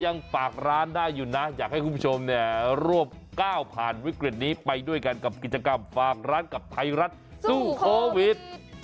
ยังฝากร้านได้อยู่นะอยากให้คุณผู้ชมเนี่ยรวบก้าวผ่านวิกฤตนี้ไปด้วยกันกับกิจกรรมฝากร้านกับไทยรัฐสู้โควิด